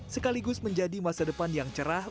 sekaligus menjadi masa depan yang cerah